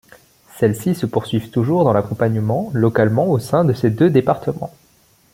Celles-ci se poursuivent toujours dans l'accompagnement localement au sein de ces deux départements.